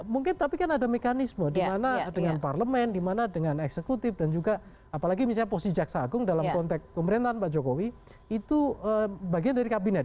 mungkin tapi kan ada mekanisme di mana dengan parlemen di mana dengan eksekutif dan juga apalagi misalnya posisi jaksa agung dalam konteks pemerintahan pak jokowi itu bagian dari kabinet